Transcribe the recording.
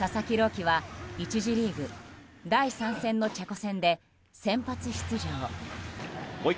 希は１次リーグ第３戦のチェコ戦で先発出場。